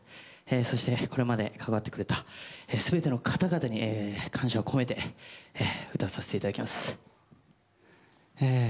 そして、これまで関わってくれたすべての方々に感謝を込めて歌わせていただきます。